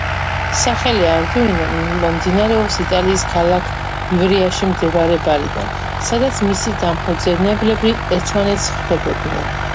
სახელი არდუინო მომდინარეობს იტალიის ქალაქ ივრეაში მდებარე ბარიდან, სადაც მისი დამფუძნებლები ერთმანეთს ხვდებოდნენ.